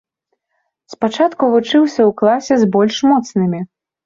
Спачатку вучыўся ў класе з больш моцнымі.